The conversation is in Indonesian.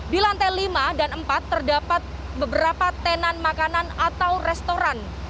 di lantai lima dan empat terdapat beberapa tenan makanan atau restoran